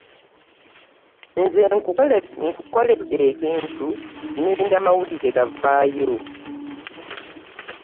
Nze nkulekedde ekintu nninda mawulire gavaayo.